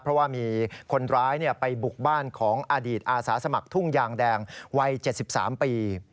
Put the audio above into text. เพราะว่ามีคนร้ายไปบุกบ้านของอดีตอาสาสมัครทุ่งยางแดงวัย๗๓ปี